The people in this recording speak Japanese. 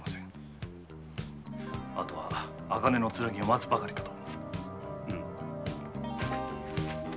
あとは茜のつなぎを待つばかりかと。